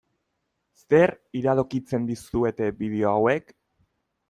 Zer iradokitzen dizuete bideo hauek?